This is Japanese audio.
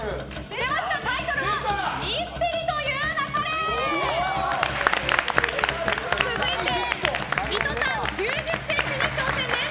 出ました、タイトルは「ミステリと言う勿れ」！続いて、水戸さん９０ｃｍに挑戦です。